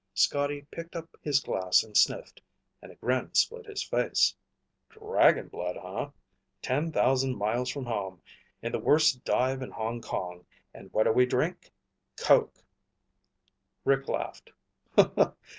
Scotty picked up his glass and sniffed, and a grin split his face. "Dragon blood, huh? Ten thousand miles from home, in the worst dive in Hong Kong, and what do we drink? Coke!" Rick laughed.